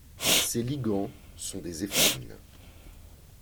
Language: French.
Ses ligands sont des éphrines.